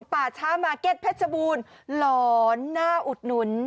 ป่าช้ามาร์เก็ตเพชรบูรณ์หลอนน่าอุดหนุน